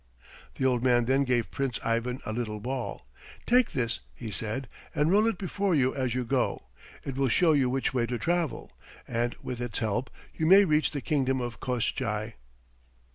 The old man then gave Prince Ivan a little ball. "Take this," he said, "and roll it before you as you go. It will show you which way to travel, and with its help you may reach the kingdom of Koshchei."